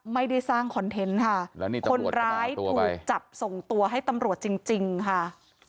ไม่ได้สร้างคอนเทนต์ค่ะแล้วนี่ตำรวจมาเอาตัวไปคนร้ายถูกจับส่งตัวให้ตำรวจจริงจริงค่ะ